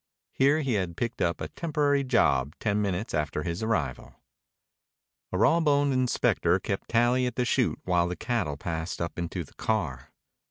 Here he had picked up a temporary job ten minutes after his arrival. A raw boned inspector kept tally at the chute while the cattle passed up into the car.